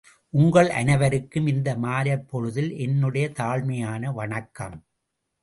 உங்கள் அனைவருக்கும் இந்த மாலைப் பொழுதில் என்னுடைய தாழ்மையான வணக்கம்.